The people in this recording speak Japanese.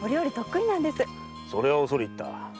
それは恐れ入った。